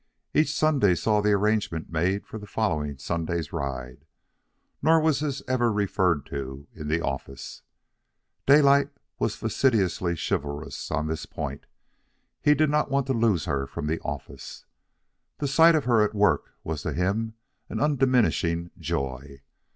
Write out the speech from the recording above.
Each Sunday saw the arrangement made for the following Sunday's ride; nor was this ever referred to in the office. Daylight was fastidiously chivalrous on this point. He did not want to lose her from the office. The sight of her at her work was to him an undiminishing joy.